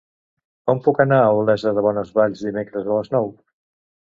Com puc anar a Olesa de Bonesvalls dimecres a les nou?